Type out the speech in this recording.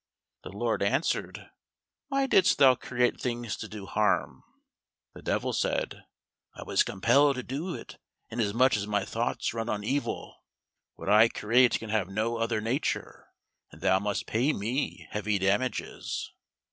The Lord answered, "Why didst thou create things to do harm?" The Devil said, "I was compelled to do it: inasmuch as my thoughts run on evil, what I create can have no other nature, and thou must pay me heavy damages."